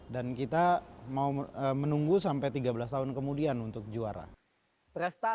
dan kita mau menunggu sampai tiga belas tahun kemudian untuk juara